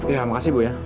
ya makasih bu ya